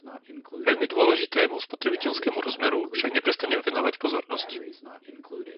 Veľmi dôležitému spotrebiteľskému rozmeru však neprestanem venovať pozornosť.